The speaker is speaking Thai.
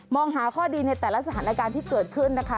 หาข้อดีในแต่ละสถานการณ์ที่เกิดขึ้นนะคะ